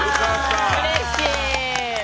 うれしい。